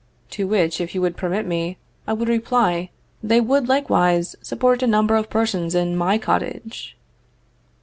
To which, if you would permit me, I would reply, they would likewise support a number of persons in my cottage.